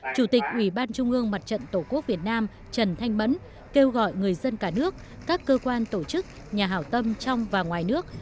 chủ tịch ủy ban trung ương mặt trận tổ quốc việt nam trần thanh mẫn kêu gọi người dân cả nước các cơ quan tổ chức nhà hảo tâm trong và ngoài nước